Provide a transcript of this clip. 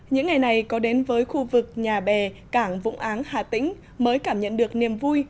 những ngày này có đến với khu vực nhà bè cảng vũng áng hà tĩnh mới cảm nhận được niềm vui